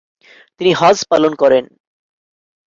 তিনি হজ্জ পালন করেন।